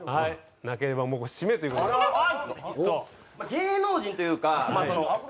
芸能人というか。